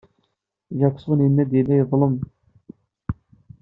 Jackson yenna-d yella yeḍlem.